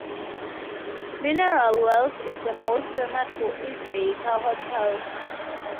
Mineral Wells is most famous for its Baker Hotel.